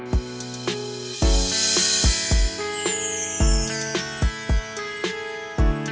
maksudku pasang kemudian tampil hidup force